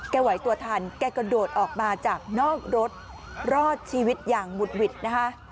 ไหวตัวทันแกกระโดดออกมาจากนอกรถรอดชีวิตอย่างหุดหวิดนะคะ